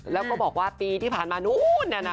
แล้วก็บอกว่าปีที่ผ่านมานู้น